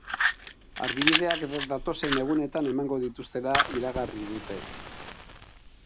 Argibideak datozen egunetan emango dituztela iragarri dute.